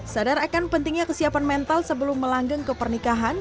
sadar akan pentingnya kesiapan mental sebelum melanggeng kepernikahan